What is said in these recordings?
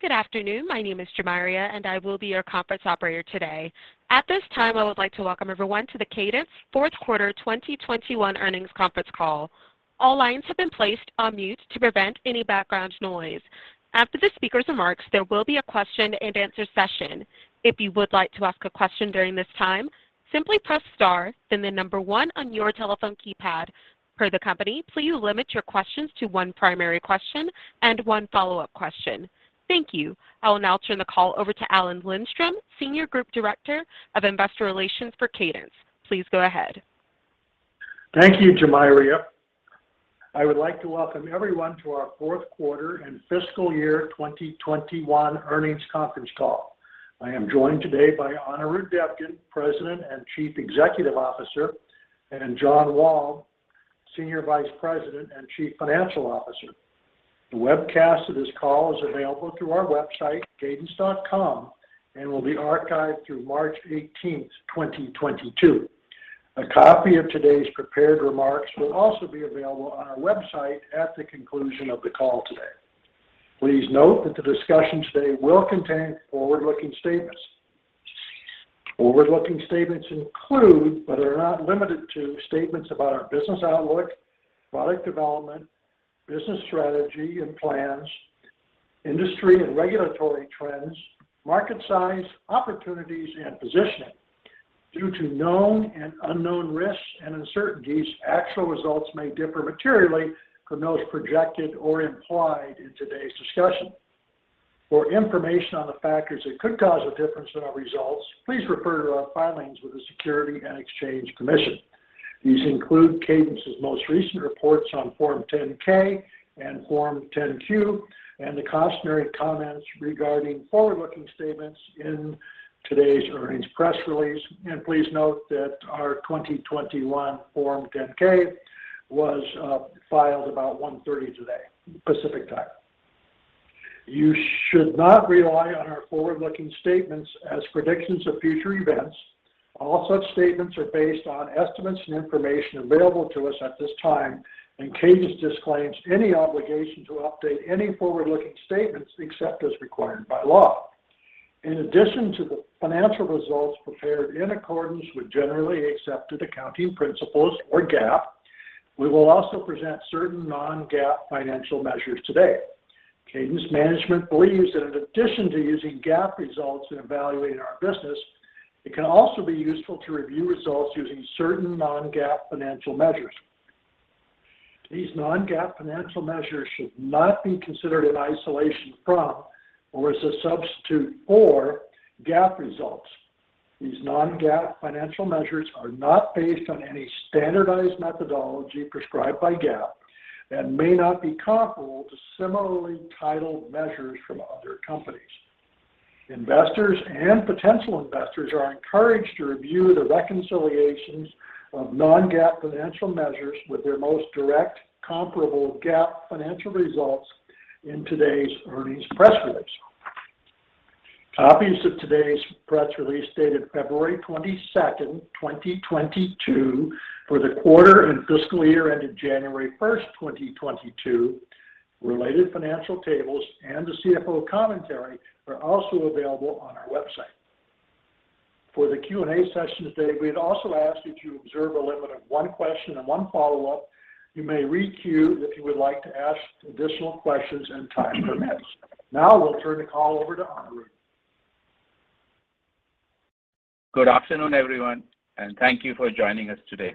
Good afternoon. My name is Jamaria, and I will be your conference operator today. At this time, I would like to welcome everyone to the Cadence Fourth Quarter 2021 Earnings Conference Call. All lines have been placed on mute to prevent any background noise. After the speaker's remarks, there will be a question and answer session. If you would like to ask a question during this time, simply press star, then the number one on your telephone keypad. Per the company, please limit your questions to one primary question and one follow-up question. Thank you. I will now turn the call over to Alan Lindstrom, Senior Group Director of Investor Relations for Cadence. Please go ahead. Thank you, Jamaria. I would like to welcome everyone to our fourth quarter and fiscal year 2021 earnings conference call. I am joined today by Anirudh Devgan, President and Chief Executive Officer, and John Wall, Senior Vice President and Chief Financial Officer. The webcast of this call is available through our website, cadence.com, and will be archived through March 18th, 2022. A copy of today's prepared remarks will also be available on our website at the conclusion of the call today. Please note that the discussion today will contain forward-looking statements. Forward-looking statements include, but are not limited to, statements about our business outlook, product development, business strategy and plans, industry and regulatory trends, market size, opportunities, and positioning. Due to known and unknown risks and uncertainties, actual results may differ materially from those projected or implied in today's discussion. For information on the factors that could cause a difference in our results, please refer to our filings with the Securities and Exchange Commission. These include Cadence's most recent reports on Form 10-K and Form 10-Q, and the cautionary comments regarding forward-looking statements in today's earnings press release. Please note that our 2021 Form 10-K was filed about 1:30 P.M. today, Pacific Time. You should not rely on our forward-looking statements as predictions of future events. All such statements are based on estimates and information available to us at this time, and Cadence disclaims any obligation to update any forward-looking statements except as required by law. In addition to the financial results prepared in accordance with generally accepted accounting principles or GAAP, we will also present certain non-GAAP financial measures today. Cadence management believes that in addition to using GAAP results in evaluating our business, it can also be useful to review results using certain non-GAAP financial measures. These non-GAAP financial measures should not be considered in isolation from or as a substitute for GAAP results. These non-GAAP financial measures are not based on any standardized methodology prescribed by GAAP and may not be comparable to similarly titled measures from other companies. Investors and potential investors are encouraged to review the reconciliations of non-GAAP financial measures with their most direct comparable GAAP financial results in today's earnings press release. Copies of today's press release dated February 22, 2022 for the quarter and fiscal year ended January 1, 2022, related financial tables, and the CFO commentary are also available on our website. For the Q&A session today, we'd also ask that you observe a limit of one question and one follow-up. You may re-queue if you would like to ask additional questions and time permits. Now we'll turn the call over to Anirudh. Good afternoon, everyone, and thank you for joining us today.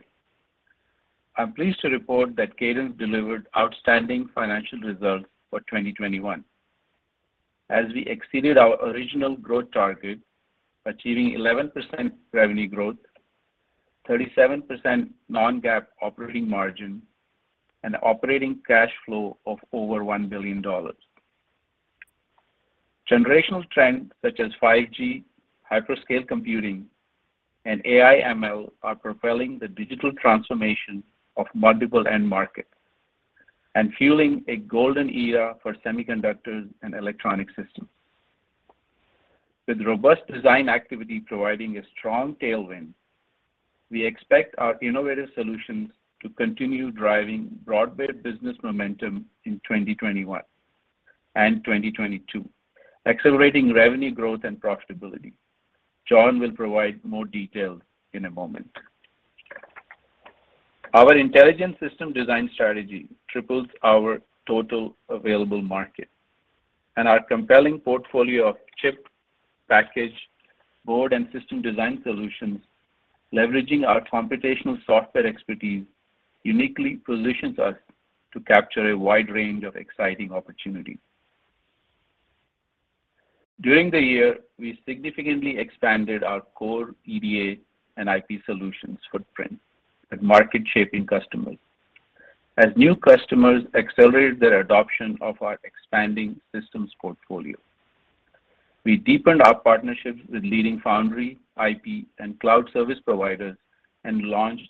I'm pleased to report that Cadence delivered outstanding financial results for 2021 as we exceeded our original growth target, achieving 11% revenue growth, 37% non-GAAP operating margin, and operating cash flow of over $1 billion. Generational trends such as 5G, hyperscale computing, and AI/ML are propelling the digital transformation of multiple end markets and fueling a golden era for semiconductors and electronic systems. With robust design activity providing a strong tailwind, we expect our innovative solutions to continue driving broad-based business momentum in 2021 and 2022, accelerating revenue growth and profitability. John will provide more details in a moment. Our intelligence system design strategy triples our total available market and our compelling portfolio of chip, package, board, and system design solutions, leveraging our computational software expertise uniquely positions us to capture a wide range of exciting opportunities. During the year, we significantly expanded our core EDA and IP solutions footprint with market-shaping customers. As new customers accelerated their adoption of our expanding systems portfolio, we deepened our partnerships with leading foundry, IP, and cloud service providers and launched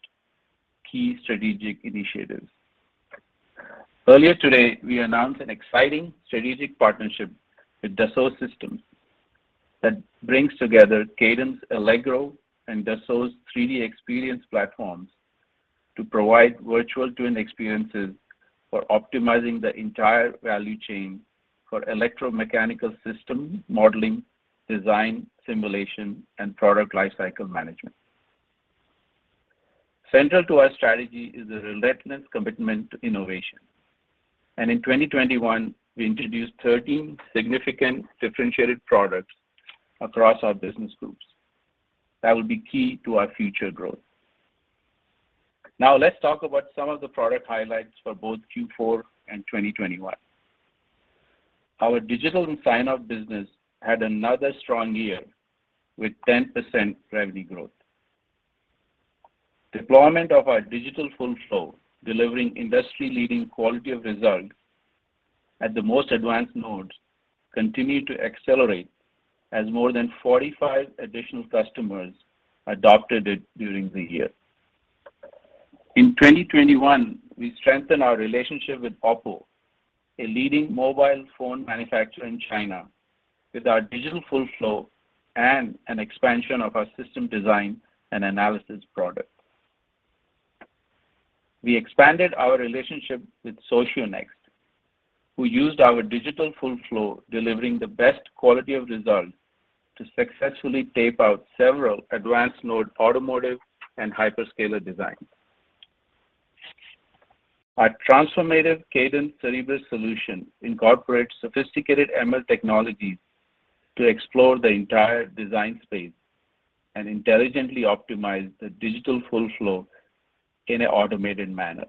key strategic initiatives. Earlier today, we announced an exciting strategic partnership with Dassault Systèmes. That brings together Cadence, Allegro, and Dassault's 3DEXPERIENCE platforms to provide virtual twin experiences for optimizing the entire value chain for electromechanical system modeling, design, simulation, and product lifecycle management. Central to our strategy is a relentless commitment to innovation. In 2021, we introduced 13 significant differentiated products across our business groups that will be key to our future growth. Now, let's talk about some of the product highlights for both Q4 and 2021. Our digital and signoff business had another strong year with 10% revenue growth. Deployment of our digital full flow, delivering industry-leading quality of results at the most advanced nodes, continued to accelerate as more than 45 additional customers adopted it during the year. In 2021, we strengthened our relationship with OPPO, a leading mobile phone manufacturer in China, with our digital full flow and an expansion of our system design and analysis product. We expanded our relationship with Socionext, who used our digital full flow, delivering the best quality of results to successfully tape out several advanced node automotive and hyperscaler designs. Our transformative Cadence Cerebrus solution incorporates sophisticated ML technologies to explore the entire design space and intelligently optimize the digital full flow in an automated manner.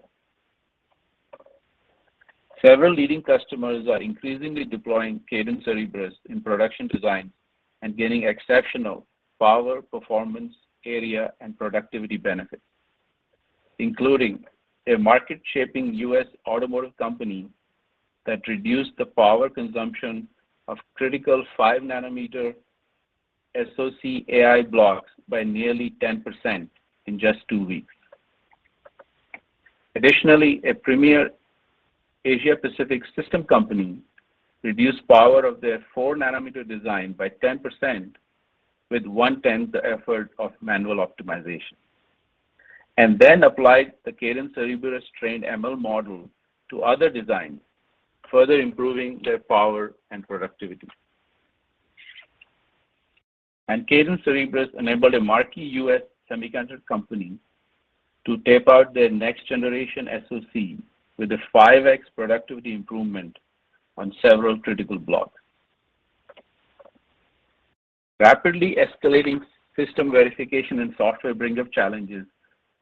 Several leading customers are increasingly deploying Cadence Cerebrus in production design and getting exceptional power, performance, area, and productivity benefits, including a market-shaping U.S. automotive company that reduced the power consumption of critical 5nm SoC AI blocks by nearly 10% in just two weeks. Additionally, a premier Asia-Pacific system company reduced power of their 4nm design by 10% with one-tenth the effort of manual optimization, and then applied the Cadence Cerebrus trained ML model to other designs, further improving their power and productivity. Cadence Cerebrus enabled a marquee U.S. semiconductor company to tape out their next generation SoC with a 5x productivity improvement on several critical blocks. Rapidly escalating system verification and software bringup challenges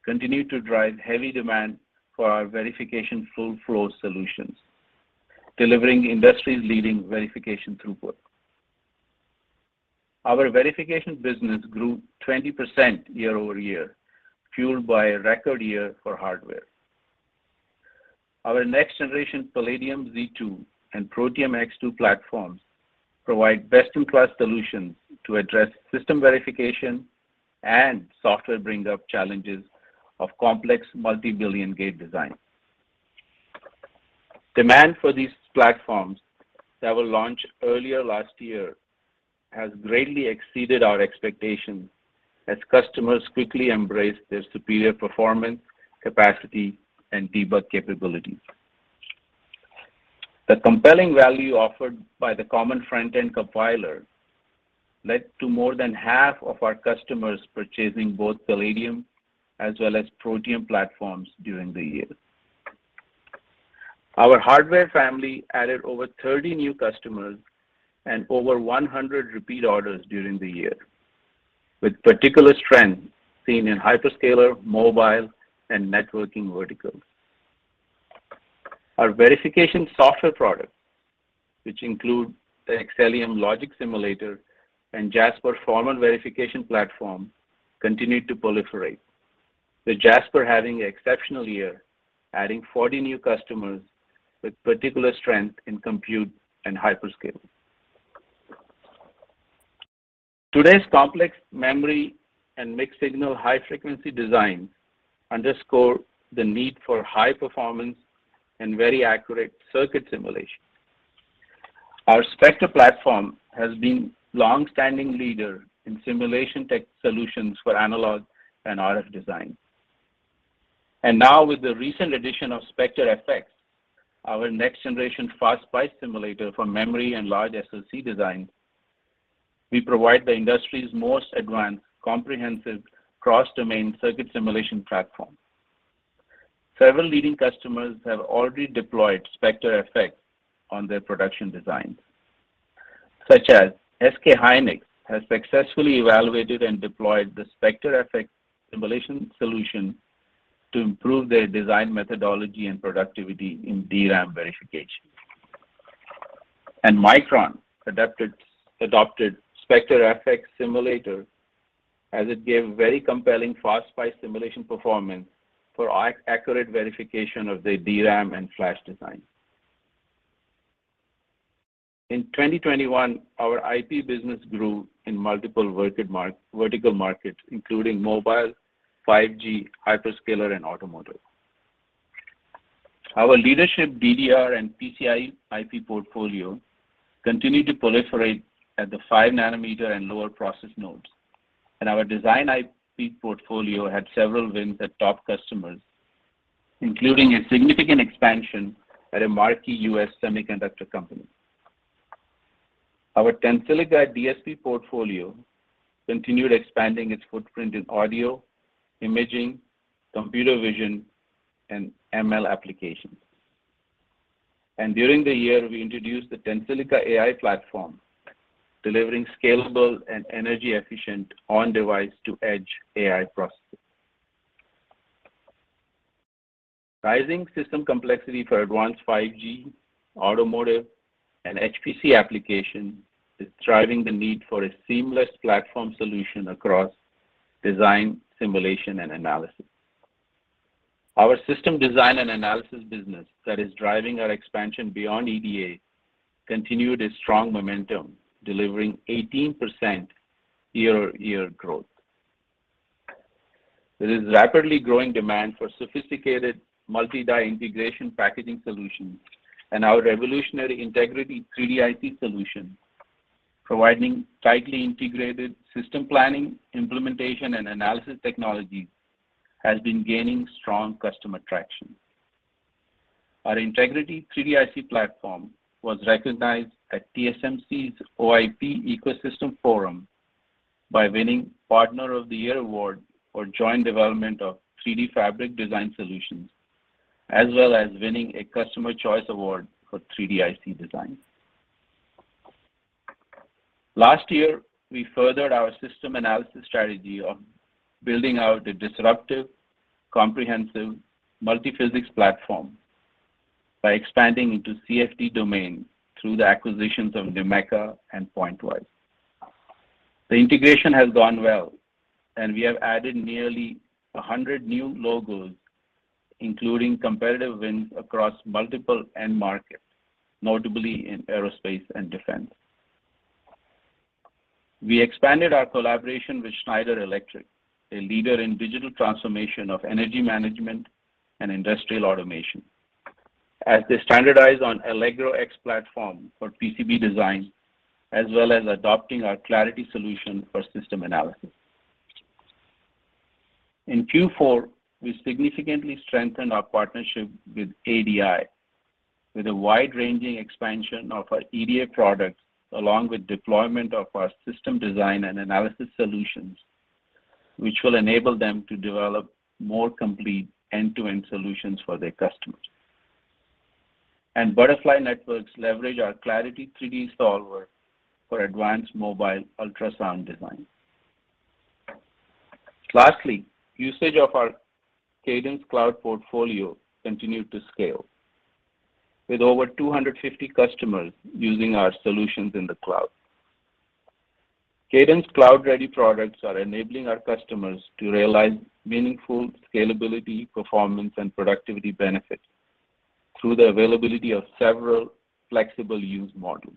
continue to drive heavy demand for our verification full flow solutions, delivering industry-leading verification throughput. Our verification business grew 20% year-over-year, fueled by a record year for hardware. Our next generation Palladium Z2 and Protium X2 platforms provide best-in-class solutions to address system verification and software bring up challenges of complex multi-billion gate designs. Demand for these platforms that were launched earlier last year has greatly exceeded our expectations as customers quickly embrace their superior performance, capacity, and debug capabilities. The compelling value offered by the common front-end compiler led to more than half of our customers purchasing both Palladium as well as Protium platforms during the year. Our hardware family added over 30 new customers and over 100 repeat orders during the year, with particular strength seen in hyperscaler, mobile, and networking verticals. Our verification software products, which include the Xcelium logic simulator and Jasper formal verification platform, continued to proliferate, with Jasper having an exceptional year, adding 40 new customers with particular strength in compute and hyperscale. Today's complex memory and mixed-signal high-frequency design underscore the need for high performance and very accurate circuit simulation. Our Spectre platform has been a longstanding leader in simulation tech solutions for analog and RF design. Now with the recent addition of Spectre FX, our next-generation FastSPICE simulator for memory and large SoC design, we provide the industry's most advanced, comprehensive cross-domain circuit simulation platform. Several leading customers have already deployed Spectre FX on their production designs, such as SK hynix has successfully evaluated and deployed the Spectre FX simulation solution to improve their design methodology and productivity in DRAM verification. Micron adopted Spectre FX simulator as it gave very compelling FastSPICE simulation performance for accurate verification of their DRAM and flash design. In 2021, our IP business grew in multiple vertical markets, including mobile, 5G, hyperscaler, and automotive. Our leadership DDR and PCI IP portfolio continued to proliferate at the 5 nanometer and lower process nodes. Our design IP portfolio had several wins at top customers, including a significant expansion at a marquee U.S. semiconductor company. Our Tensilica DSP portfolio continued expanding its footprint in audio, imaging, computer vision, and ML applications. During the year, we introduced the Tensilica AI platform, delivering scalable and energy efficient on-device to edge AI processing. Rising system complexity for advanced 5G automotive and HPC application is driving the need for a seamless platform solution across design, simulation, and analysis. Our system design and analysis business that is driving our expansion beyond EDA continued its strong momentum, delivering 18% year-over-year growth. There is rapidly growing demand for sophisticated multi-die integration packaging solutions, and our revolutionary Integrity 3D-IC solution, providing tightly integrated system planning, implementation, and analysis technologies, has been gaining strong customer traction. Our Integrity 3D-IC platform was recognized at TSMC's OIP Ecosystem Forum by winning Partner of the Year Award for joint development of 3DFabric design solutions, as well as winning a Customer Choice Award for 3D-IC design. Last year, we furthered our system analysis strategy of building out the disruptive, comprehensive multi-physics platform by expanding into CFD domain through the acquisitions of NUMECA and Pointwise. The integration has gone well, and we have added nearly 100 new logos, including competitive wins across multiple end markets, notably in aerospace and defense. We expanded our collaboration with Schneider Electric, a leader in digital transformation of energy management and industrial automation, as they standardize on Allegro X platform for PCB design, as well as adopting our Clarity solution for system analysis. In Q4, we significantly strengthened our partnership with ADI with a wide-ranging expansion of our EDA products, along with deployment of our system design and analysis solutions, which will enable them to develop more complete end-to-end solutions for their customers. Butterfly Network leverages our Clarity 3D Solver for advanced mobile ultrasound design. Lastly, usage of our Cadence Cloud portfolio continued to scale with over 250 customers using our solutions in the cloud. Cadence cloud-ready products are enabling our customers to realize meaningful scalability, performance, and productivity benefits through the availability of several flexible use models.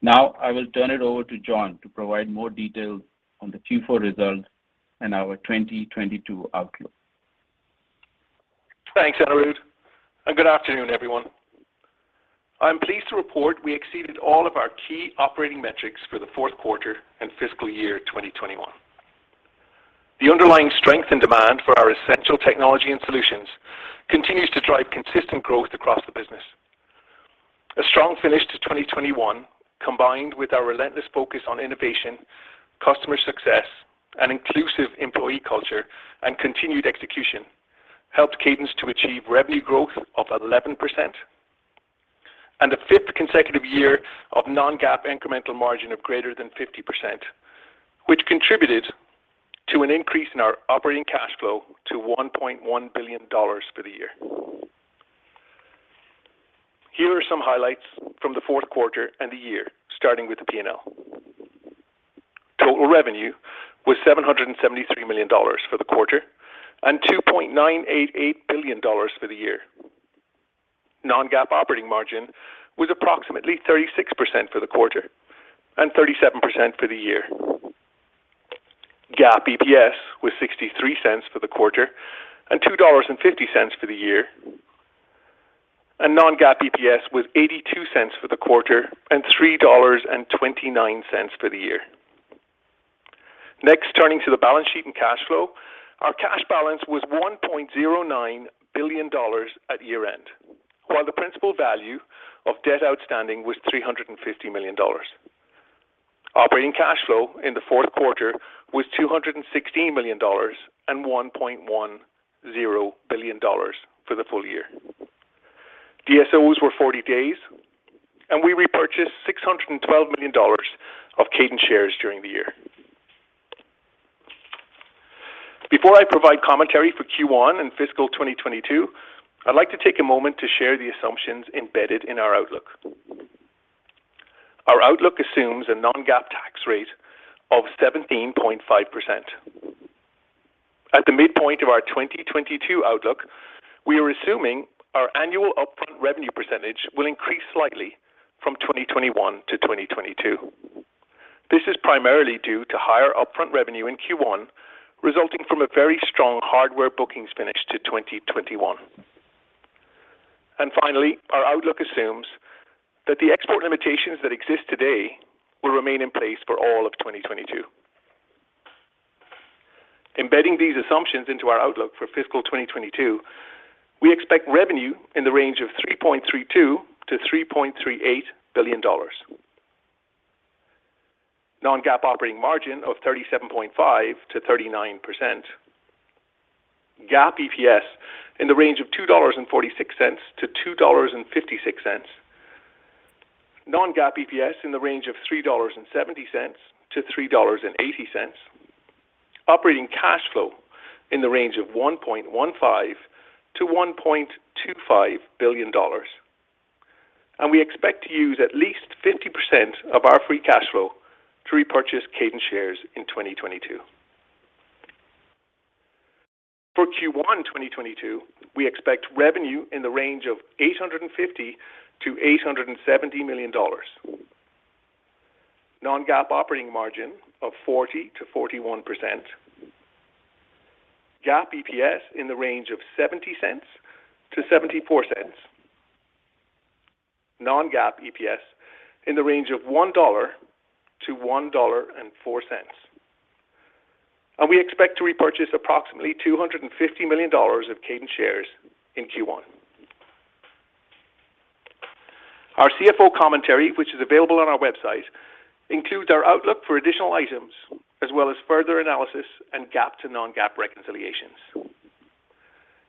Now I will turn it over to John Wall to provide more details on the Q4 results and our 2022 outlook. Thanks, Anirudh, and good afternoon, everyone. I'm pleased to report we exceeded all of our key operating metrics for the fourth quarter and fiscal year 2021. The underlying strength and demand for our essential technology and solutions continues to drive consistent growth across the business. A strong finish to 2021, combined with our relentless focus on innovation, customer success, and inclusive employee culture and continued execution, helped Cadence to achieve revenue growth of 11% and a fifth consecutive year of non-GAAP incremental margin of greater than 50%, which contributed to an increase in our operating cash flow to $1.1 billion for the year. Here are some highlights from the fourth quarter and the year, starting with the P&L. Total revenue was $773 million for the quarter and $2.988 billion for the year. Non-GAAP operating margin was approximately 36% for the quarter and 37% for the year. GAAP EPS was $0.63 for the quarter and $2.50 for the year. non-GAAP EPS was $0.82 for the quarter and $3.29 for the year. Next, turning to the balance sheet and cash flow. Our cash balance was $1.09 billion at year-end, while the principal value of debt outstanding was $350 million. Operating cash flow in the fourth quarter was $216 million and $1.10 billion for the full year. DSOs were 40 days, and we repurchased $612 million of Cadence shares during the year. Before I provide commentary for Q1 and fiscal 2022, I'd like to take a moment to share the assumptions embedded in our outlook. Our outlook assumes a non-GAAP tax rate of 17.5%. At the midpoint of our 2022 outlook, we are assuming our annual upfront revenue percentage will increase slightly from 2021 to 2022. This is primarily due to higher upfront revenue in Q1, resulting from a very strong hardware bookings finish to 2021. Finally, our outlook assumes that the export limitations that exist today will remain in place for all of 2022. Embedding these assumptions into our outlook for fiscal 2022, we expect revenue in the range of $3.32 billion-$3.38 billion. Non-GAAP operating margin of 37.5%-39%. GAAP EPS in the range of $2.46-$2.56. Non-GAAP EPS in the range of $3.70-$3.80. Operating cash flow in the range of $1.15 billion-$1.25 billion. We expect to use at least 50% of our free cash flow to repurchase Cadence shares in 2022. For Q1 2022, we expect revenue in the range of $850 million-$870 million. Non-GAAP operating margin of 40%-41%. GAAP EPS in the range of $0.70-$0.74. Non-GAAP EPS in the range of $1.00-$1.04. We expect to repurchase approximately $250 million of Cadence shares in Q1. Our CFO commentary, which is available on our website, includes our outlook for additional items as well as further analysis and GAAP to non-GAAP reconciliations.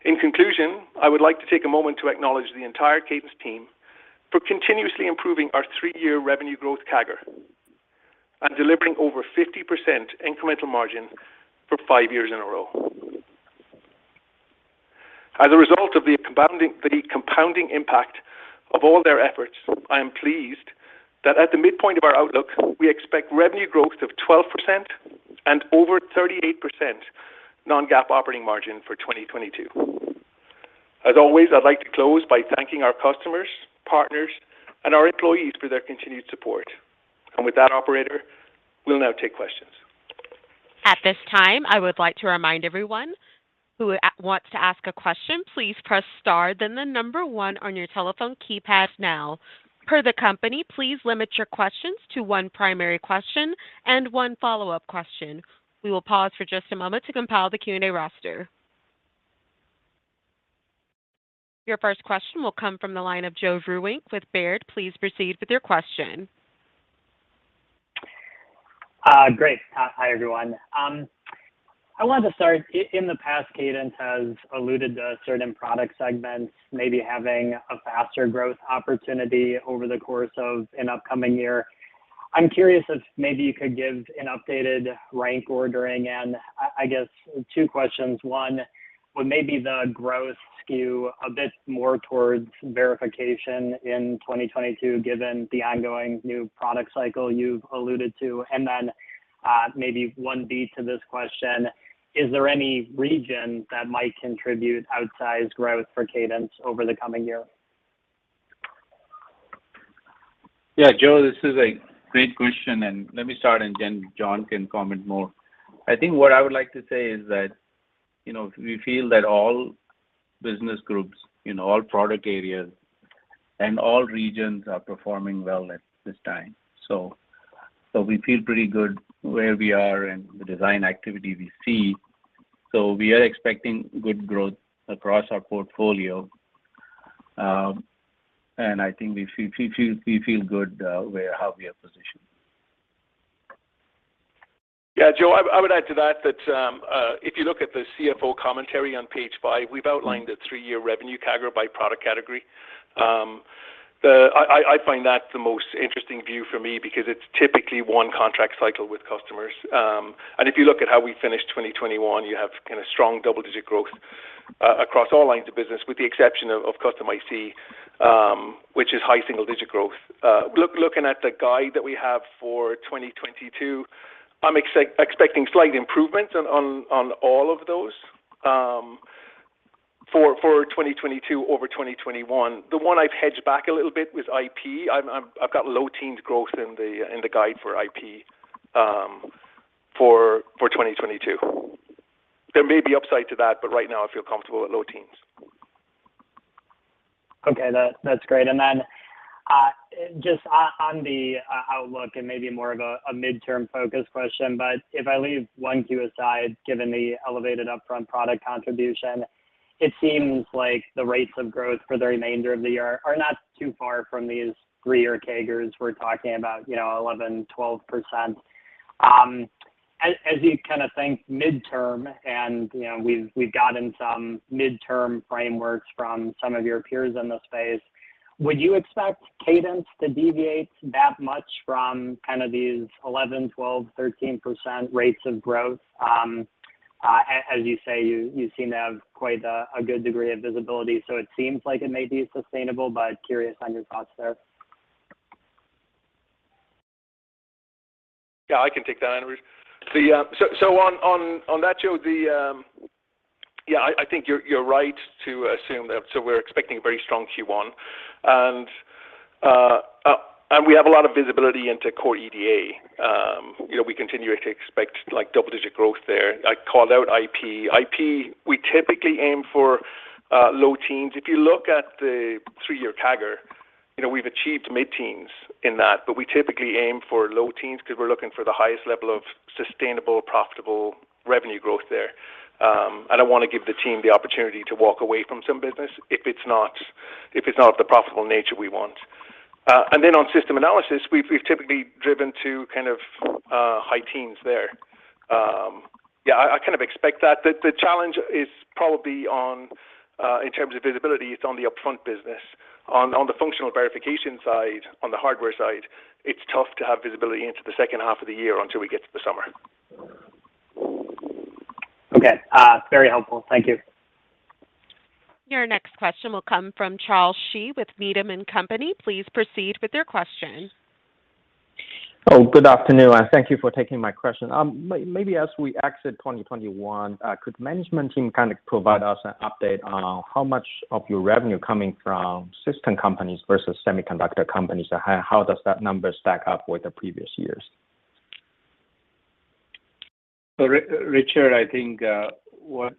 In conclusion, I would like to take a moment to acknowledge the entire Cadence team for continuously improving our three-year revenue growth CAGR and delivering over 50% incremental margin for five years in a row. As a result of the compounding impact of all their efforts, I am pleased that at the midpoint of our outlook, we expect revenue growth of 12% and over 38% non-GAAP operating margin for 2022. As always, I'd like to close by thanking our customers, partners, and our employees for their continued support. With that operator, we'll now take questions. At this time, I would like to remind everyone who wants to ask a question, please press star then the number one on your telephone keypad now. Per the company, please limit your questions to one primary question and one follow-up question. We will pause for just a moment to compile the Q&A roster. Your first question will come from the line of Joe Vruwink with Baird. Please proceed with your question. Great. Hi, everyone. I wanted to start, in the past, Cadence has alluded to certain product segments maybe having a faster growth opportunity over the course of an upcoming year. I'm curious if maybe you could give an updated rank ordering, and I guess two questions. One, would maybe the growth skew a bit more towards verification in 2022, given the ongoing new product cycle you've alluded to? And then, maybe 1b to this question, is there any region that might contribute outsized growth for Cadence over the coming year? Yeah, Joe, this is a great question, and let me start, and then John can comment more. I think what I would like to say is that, you know, we feel that all business groups in all product areas and all regions are performing well at this time. We feel pretty good where we are and the design activity we see. We are expecting good growth across our portfolio, and I think we feel good with how we are positioned. Yeah, Joe, I would add to that, if you look at the CFO commentary on page five, we've outlined a three-year revenue CAGR by product category. I find that the most interesting view for me because it's typically one contract cycle with customers. If you look at how we finished 2021, you have kind of strong double-digit growth across all lines of business, with the exception of custom IC, which is high single-digit growth. Looking at the guide that we have for 2022, I'm expecting slight improvements on all of those, for 2022 over 2021. The one I've hedged back a little bit was IP. I've got low teens growth in the guide for IP, for 2022. There may be upside to that, but right now I feel comfortable with low teens. Okay. That's great. Then just on the outlook and maybe more of a midterm focus question, but if I leave 1Q aside, given the elevated upfront product contribution, it seems like the rates of growth for the remainder of the year are not too far from these three-year CAGRs we're talking about, you know, 11%, 12%. As you kind of think midterm and you know, we've gotten some midterm frameworks from some of your peers in the space, would you expect Cadence to deviate that much from kind of these 11%, 12%, 13% rates of growth? As you say, you seem to have quite a good degree of visibility, so it seems like it may be sustainable, but curious on your thoughts there. Yeah, I can take that one. On that, Joe, I think you're right to assume that. We're expecting a very strong Q1 and we have a lot of visibility into core EDA. You know, we continue to expect like double-digit growth there. I called out IP. IP, we typically aim for low teens. If you look at the three-year CAGR, you know, we've achieved mid-teens in that. We typically aim for low teens because we're looking for the highest level of sustainable, profitable revenue growth there. I don't want to give the team the opportunity to walk away from some business if it's not the profitable nature we want. On Systems Analysis, we've typically driven to kind of high teens there. Yeah, I kind of expect that. The challenge is probably on in terms of visibility, it's on the upfront business. On the functional verification side, on the hardware side, it's tough to have visibility into the second half of the year until we get to the summer. Okay. Very helpful. Thank you. Your next question will come from Charles Shi with Needham & Company. Please proceed with your question. Oh, good afternoon, and thank you for taking my question. Maybe as we exit 2021, could management team kind of provide us an update on how much of your revenue coming from system companies versus semiconductor companies? How does that number stack up with the previous years? Charles, I think what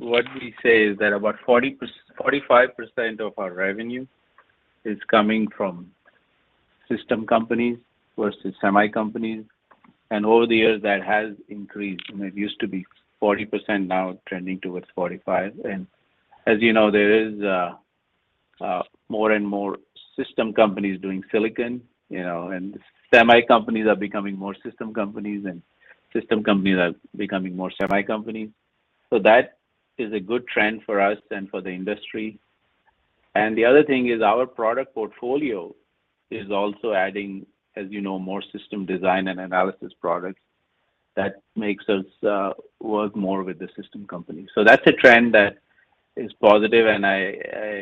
we say is that about 40%-45% of our revenue is coming from system companies versus semi companies, and over the years that has increased. It used to be 40%, now trending towards 45%. As you know, there is more and more system companies doing silicon, you know, and semi companies are becoming more system companies, and system companies are becoming more semi companies. That is a good trend for us and for the industry. The other thing is our product portfolio is also adding, as you know, more system design and analysis products that makes us work more with the system company. That's a trend that is positive, and I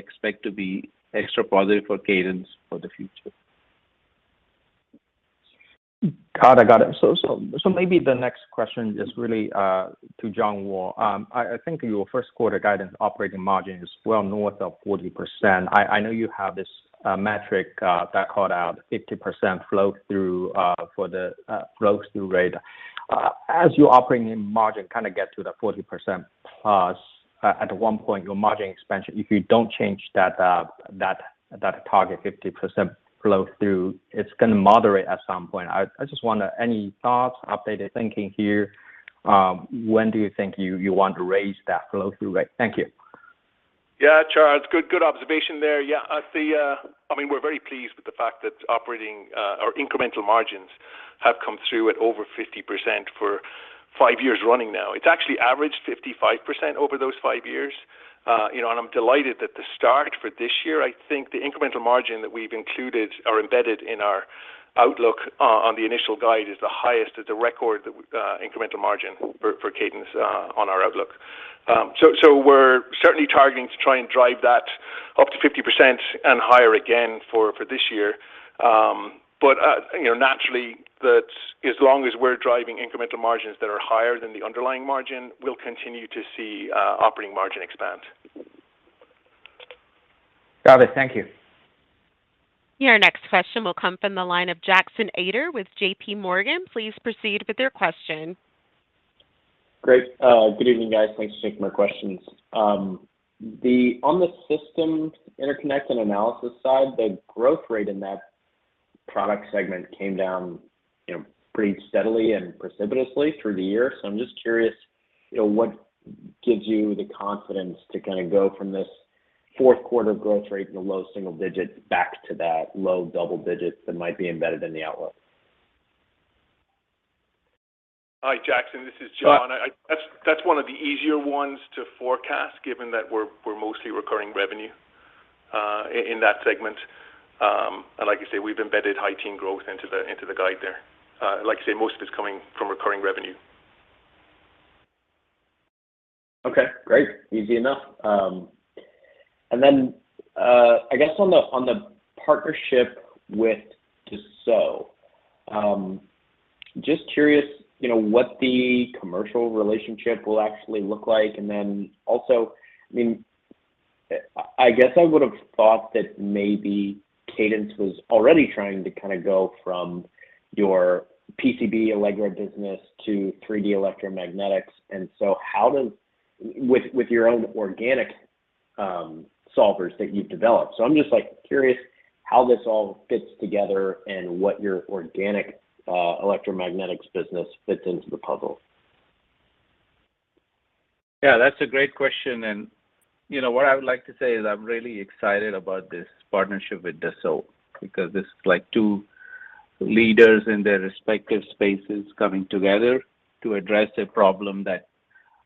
expect to be extra positive for Cadence for the future. Got it. Maybe the next question is really to John Wall. I think your first quarter guidance operating margin is well north of 40%. I know you have this metric that called out 50% flow through for the flow through rate. As your operating margin kind of gets to the 40% plus, at one point your margin expansion, if you don't change that target 50% flow through, it's going to moderate at some point. I just wonder any thoughts, updated thinking here? When do you think you want to raise that flow through rate? Thank you. Charles, good observation there. Yeah. I see, I mean, we're very pleased with the fact that operating or incremental margins have come through at over 50% for five years running now. It's actually averaged 55% over those five years, you know, and I'm delighted at the start for this year. I think the incremental margin that we've included or embedded in our outlook on the initial guide is the highest on record incremental margin for Cadence on our outlook. So we're certainly targeting to try and drive that up to 50% and higher again for this year. But you know, naturally as long as we're driving incremental margins that are higher than the underlying margin, we'll continue to see operating margin expand. Got it. Thank you. Your next question will come from the line of Jackson Ader with JP Morgan. Please proceed with your question. Great. Good evening, guys. Thanks for taking my questions. On the system interconnect and analysis side, the growth rate in that product segment came down, you know, pretty steadily and precipitously through the year. I'm just curious what gives you the confidence to kind of go from this fourth quarter growth rate in the low single digits back to that low double digits that might be embedded in the outlook? Hi, Jackson. This is John. That's one of the easier ones to forecast, given that we're mostly recurring revenue in that segment. Like you say, we've embedded high-teens growth into the guide there. Like you say, most of it's coming from recurring revenue. Okay, great. Easy enough. I guess on the partnership with Dassault, just curious, you know, what the commercial relationship will actually look like. Also, I mean, I guess I would have thought that maybe Cadence was already trying to kind of go from your PCB Allegro business to 3D electromagnetics and so how does with your own organic solvers that you've developed. I'm just, like, curious how this all fits together and what your organic electromagnetics business fits into the puzzle. Yeah, that's a great question. You know, what I would like to say is I'm really excited about this partnership with Dassault, because this is like two leaders in their respective spaces coming together to address a problem that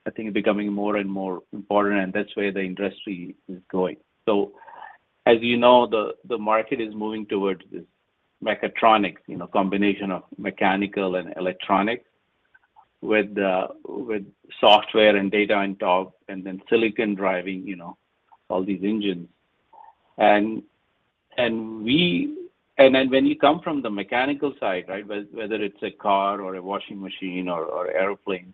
I think is becoming more and more important, and that's where the industry is going. As you know, the market is moving towards this mechatronics, you know, combination of mechanical and electronic with with software and data on top, and then silicon driving, you know, all these engines and then when you come from the mechanical side, right? Whether it's a car or a washing machine or airplane,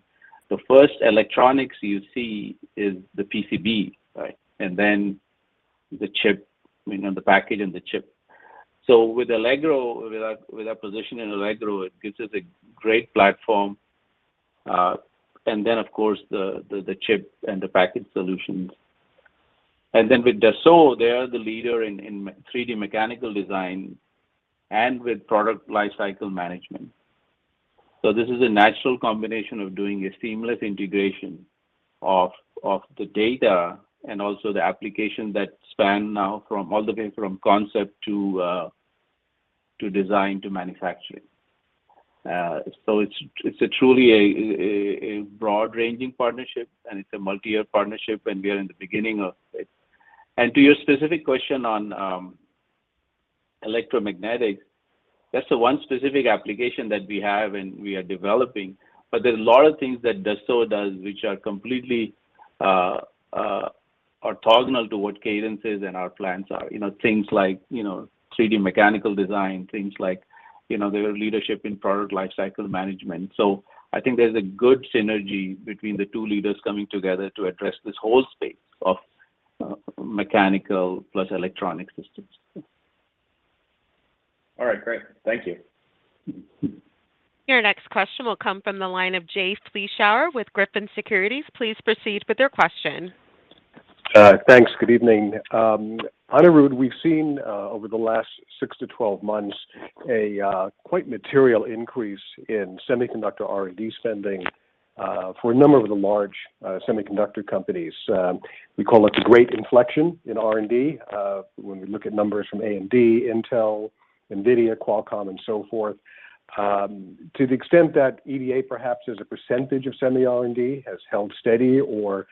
the first electronics you see is the PCB, right? The chip, you know, the package and the chip. With Allegro, with our position in Allegro, it gives us a great platform, and then of course the chip and the package solutions. With Dassault, they are the leader in 3D mechanical design and with product life cycle management. This is a natural combination of doing a seamless integration of the data and also the application that span from all the way from concept to design to manufacturing. It's a truly broad-ranging partnership, and it's a multi-year partnership, and we are in the beginning of it. To your specific question on electromagnetics, that's the one specific application that we have and we are developing. There's a lot of things that Dassault does which are completely orthogonal to what Cadence is and our plans are. You know, things like, you know, 3D mechanical design, things like, you know, their leadership in product life cycle management. I think there's a good synergy between the two leaders coming together to address this whole space of mechanical plus electronic systems. All right, great. Thank you. Your next question will come from the line of Jay Vleeschhouwer with Griffin Securities. Please proceed with your question. Thanks. Good evening. Anirudh, we've seen over the last six to 12 months a quite material increase in semiconductor R&D spending for a number of the large semiconductor companies. We call it great inflection in R&D when we look at numbers from AMD, Intel, NVIDIA, Qualcomm and so forth. To the extent that EDA perhaps as a percentage of semi R&D has held steady or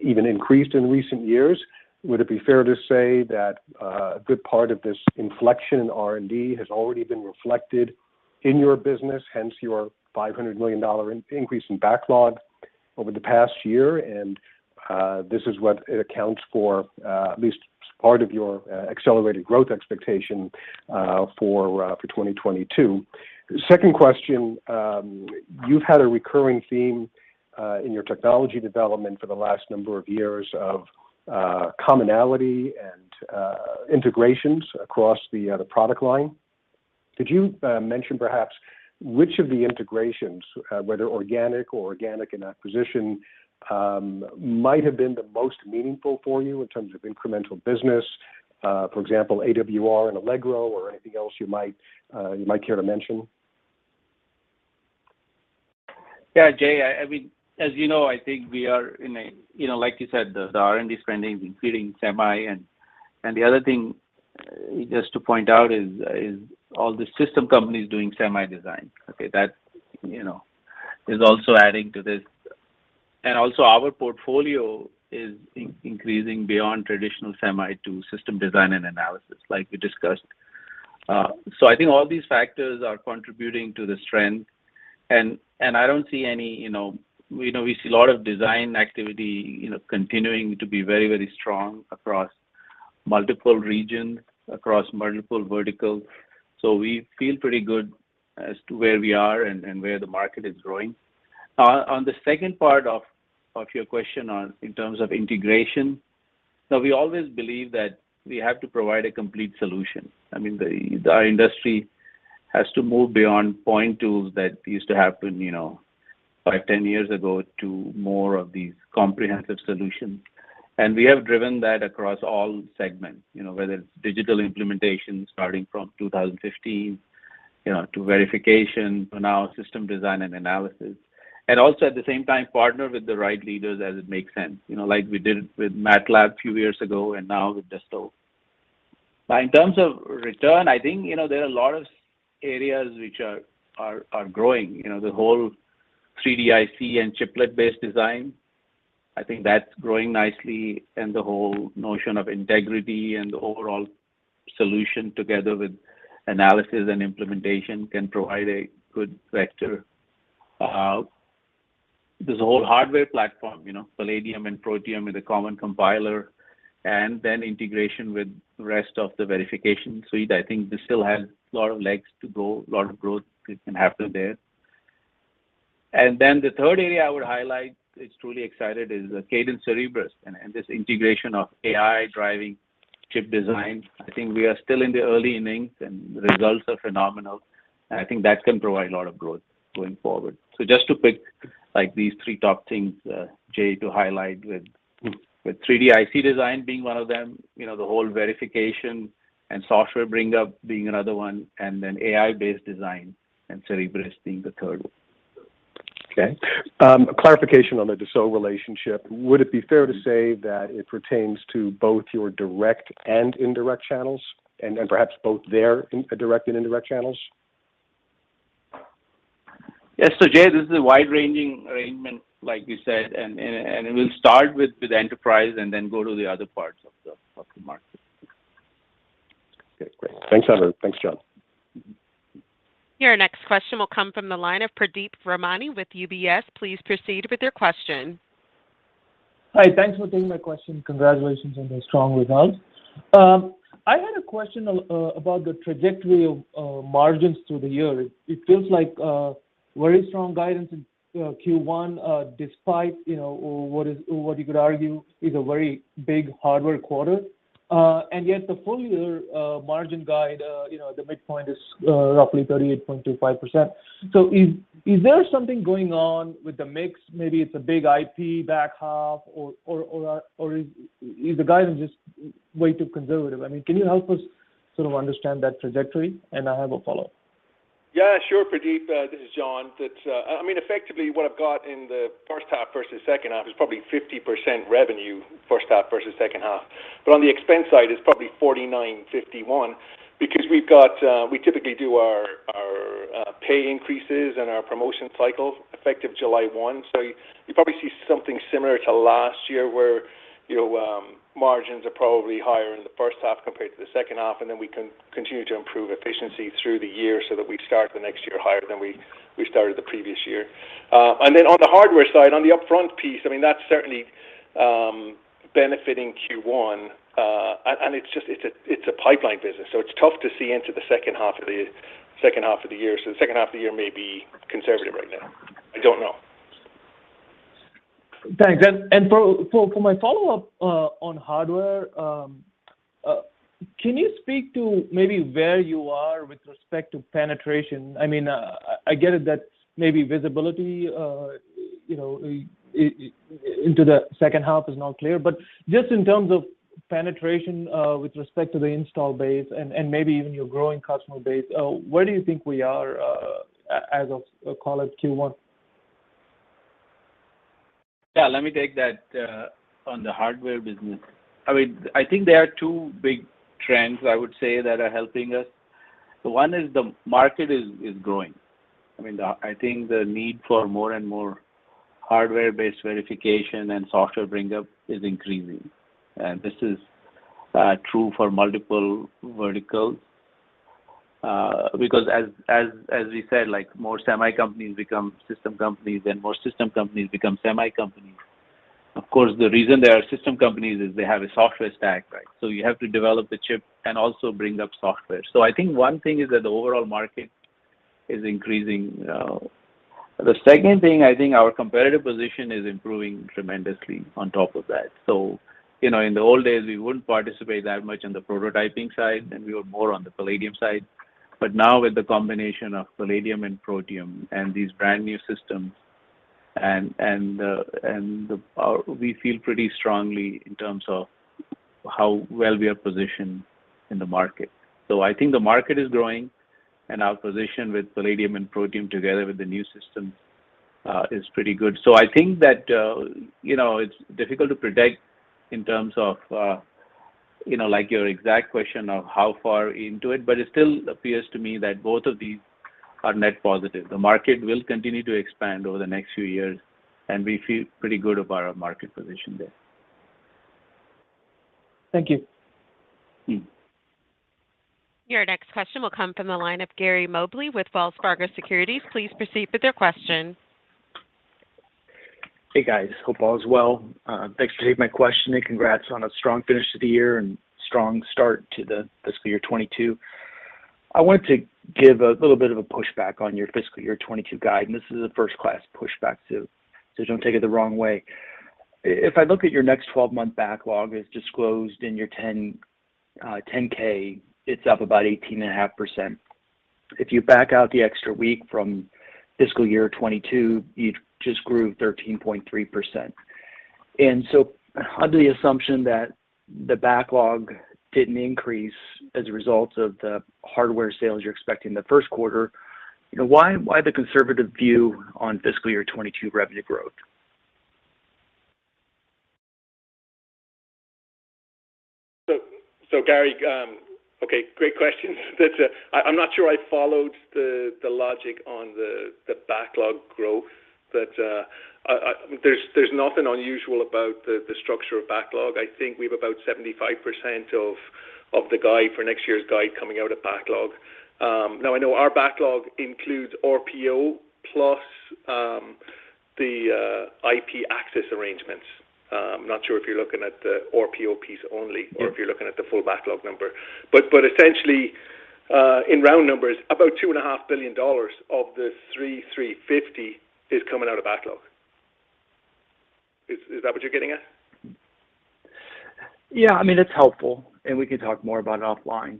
even increased in recent years, would it be fair to say that a good part of this inflection in R&D has already been reflected in your business, hence your $500 million increase in backlog over the past year, and this is what it accounts for at least part of your accelerated growth expectation for 2022? Second question, you've had a recurring theme in your technology development for the last number of years of commonality and integrations across the product line. Could you mention perhaps which of the integrations, whether organic or acquisition, might have been the most meaningful for you in terms of incremental business, for example, AWR and Allegro or anything else you might care to mention? Jay, I mean, as you know, I think we are in a, you know, like you said, the R&D spending is increasing semi and the other thing just to point out is all the system companies doing semi design, okay? That, you know, is also adding to this. I don't see any, you know, we see a lot of design activity, you know, continuing to be very, very strong across multiple regions, across multiple verticals. We feel pretty good as to where we are and where the market is growing. On the second part of your question, in terms of integration, we always believe that we have to provide a complete solution. I mean, the industry has to move beyond point tools that used to happen, you know, five, 10 years ago to more of these comprehensive solutions. We have driven that across all segments, you know, whether it's digital implementation starting from 2015, you know, to verification, now system design and analysis, and also at the same time partner with the right leaders as it makes sense, you know, like we did with MATLAB few years ago and now with Dassault. In terms of return, I think, you know, there are a lot of areas which are growing. You know, the whole 3D-IC and chiplet-based design, I think that's growing nicely and the whole notion of Integrity and the overall solution together with analysis and implementation can provide a good vector. There's a whole hardware platform, you know, Palladium and Protium with a common compiler, and then integration with rest of the verification suite. I think this still has a lot of legs to go, a lot of growth can happen there. The third area I would highlight is truly excited is Cadence Cerebrus and this integration of AI driving chip design. I think we are still in the early innings and results are phenomenal, and I think that can provide a lot of growth going forward. Just to pick like these three top things, Jay, to highlight with 3D-IC design being one of them, you know, the whole verification and software bring up being another one, and then AI-based design and Cerebrus being the third one. Okay. Clarification on the Dassault relationship. Would it be fair to say that it pertains to both your direct and indirect channels and perhaps both their indirect channels? Yes. Jay, this is a wide-ranging arrangement like you said, and we'll start with enterprise and then go to the other parts of the market. Okay, great. Thanks, Anirudh. Thanks, John. Your next question will come from the line of Pradeep Ramani with UBS. Please proceed with your question. Hi. Thanks for taking my question. Congratulations on those strong results. I had a question about the trajectory of margins through the year. It feels like very strong guidance in Q1, despite, you know, or what you could argue is a very big hardware quarter. And yet the full year margin guide, you know, the midpoint is roughly 38.25%. So is there something going on with the mix? Maybe it's a big IP back half or is the guidance just way too conservative? I mean, can you help us sort of understand that trajectory? I have a follow-up. Pradeep, this is John. That, I mean, effectively what I've got in the first half versus second half is probably 50% revenue first half versus second half. On the expense side, it's probably 49/51 because we typically do our pay increases and our promotion cycle effective July 1. You probably see something similar to last year, where, you know, margins are probably higher in the first half compared to the second half, and then we can continue to improve efficiency through the year so that we start the next year higher than we started the previous year. On the hardware side, on the upfront piece, I mean, that's certainly benefiting Q1. It's just a pipeline business, so it's tough to see into the second half of the year. The second half of the year may be conservative right now. I don't know. Thanks. For my follow-up, can you speak to maybe where you are with respect to penetration? I mean, I get it that maybe visibility, you know, into the second half is not clear. Just in terms of penetration, with respect to the install base and maybe even your growing customer base, where do you think we are, as of, call it, Q1? Yeah, let me take that on the hardware business. I mean, I think there are two big trends I would say that are helping us. One is the market is growing. I mean, I think the need for more and more hardware-based verification and software bring-up is increasing. This is true for multiple verticals, because as we said, like, more semi companies become system companies, then more system companies become semi companies. Of course, the reason they are system companies is they have a software stack, right? You have to develop the chip and also bring up software. I think one thing is that the overall market is increasing. The second thing, I think our competitive position is improving tremendously on top of that. You know, in the old days, we wouldn't participate that much on the prototyping side, and we were more on the Palladium side. Now with the combination of Palladium and Protium and these brand-new systems and the power, we feel pretty strongly in terms of how well we are positioned in the market. I think the market is growing, and our position with Palladium and Protium together with the new system is pretty good. I think that, you know, it's difficult to predict in terms of, you know, like your exact question of how far into it, but it still appears to me that both of these are net positive. The market will continue to expand over the next few years, and we feel pretty good about our market position there. Thank you. Your next question will come from the line of Gary Mobley with Wells Fargo Securities. Please proceed with your question. Hey, guys. Hope all is well. Thanks for taking my question, and congrats on a strong finish to the year and strong start to the fiscal year 2022. I wanted to give a little bit of a pushback on your fiscal year 2022 guide, and this is a first-class pushback, so don't take it the wrong way. If I look at your next 12-month backlog as disclosed in your 10-K, it's up about 18.5%. If you back out the extra week from fiscal year 2022, you just grew 13.3%. Under the assumption that the backlog didn't increase as a result of the hardware sales you're expecting the first quarter, why the conservative view on fiscal year 2022 revenue growth? Gary, okay, great question. That, I'm not sure I followed the logic on the backlog growth, but there's nothing unusual about the structure of backlog. I think we have about 75% of the guide for next year's guide coming out of backlog. Now I know our backlog includes RPO plus the IP access arrangements. I'm not sure if you're looking at the RPO piece only. If you're looking at the full backlog number. Essentially, in round numbers, about $2.5 billion of the $3.35 billion is coming out of backlog. Is that what you're getting at? Yeah. I mean, it's helpful, and we can talk more about it offline.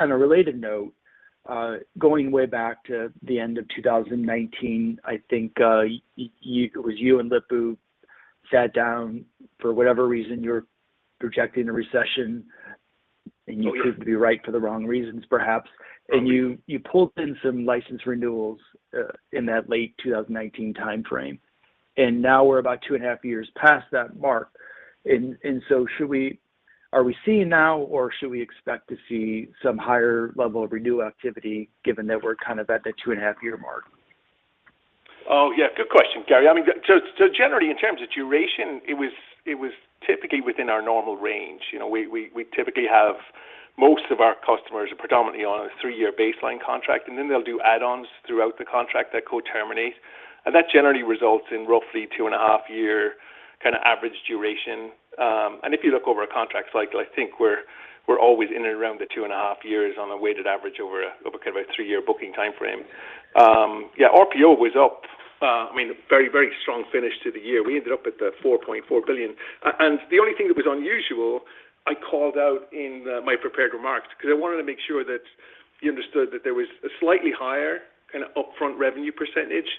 On a related note, going way back to the end of 2019, I think, it was you and Lip-Bu sat down for whatever reason, you were projecting a recession. Oh, yeah. You could be right for the wrong reasons, perhaps. Probably. You pulled in some license renewals in that late 2019 timeframe. Now we're about 2.5 years past that mark. So are we seeing now, or should we expect to see some higher level of renewal activity given that we're kind of at the 2.5-year mark? Oh, yeah. Good question, Gary. I mean, so generally in terms of duration, it was typically within our normal range. You know, we typically have most of our customers are predominantly on a three-year baseline contract, and then they'll do add-ons throughout the contract that co-terminate. That generally results in roughly 2.5-year kinda average duration. If you look over a contract cycle, I think we're always in and around the 2.5 years on a weighted average over kind of a three-year booking time frame. Yeah, RPO was up. I mean, very strong finish to the year. We ended up at $4.4 billion. The only thing that was unusual, I called out in my prepared remarks, 'cause I wanted to make sure that you understood that there was a slightly higher kind of upfront revenue percentage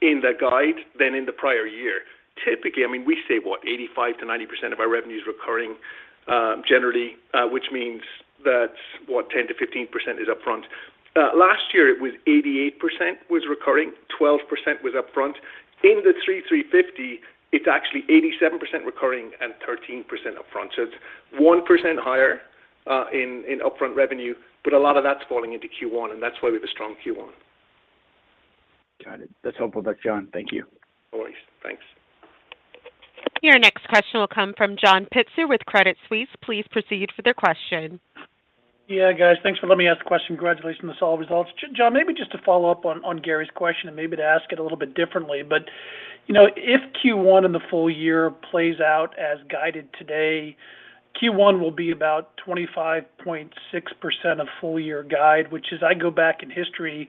in the guide than in the prior year. Typically, I mean, we say, what, 85%-90% of our revenue is recurring, generally, which means that, what, 10%-15% is upfront. Last year it was 88% recurring, 12% upfront. In the FY 2025, it's actually 87% recurring and 13% upfront. It's 1% higher in upfront revenue, but a lot of that's falling into Q1, and that's why we have a strong Q1. Got it. That's helpful. Thanks, John. Thank you. Always. Thanks. Your next question will come from John Pitzer with Credit Suisse. Please proceed for the question. Yeah, guys. Thanks for letting me ask a question. Congratulations on the solid results. John, maybe just to follow up on Gary's question and maybe to ask it a little bit differently, but you know, if Q1 and the full year plays out as guided today, Q1 will be about 25.6% of full year guide, which is, I go back in history,